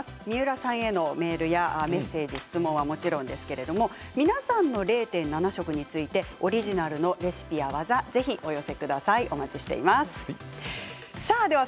三浦さんへのメールやメッセージ、質問はもちろんなんですが皆さんの０．７食についてオリジナルのレシピや技、ぜひお寄せください。